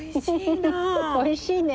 おいしいな。